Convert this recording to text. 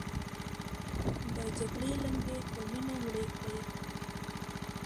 د جګړې لمبې په مینه مړې کړئ.